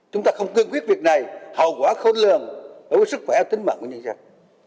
chúng ta không cương quyết việc này hậu quả khốn lường với sức khỏe tính mạng của nhân dân